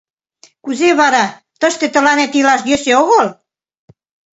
Кузе вара, тыште тыланет илаш йӧсӧ огыл?